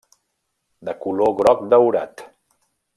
De color groc daurat.